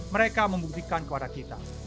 mereka membuktikan kepada kita